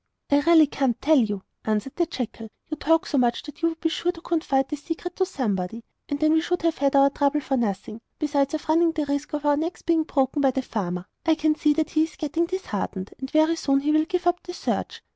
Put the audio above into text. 'I really can't tell you,' answered the jackal. 'You talk so much that you would be sure to confide the secret to somebody, and then we should have had our trouble for nothing, besides running the risk of our necks being broken by the farmer. I can see that he is getting disheartened, and very soon he will give up the search.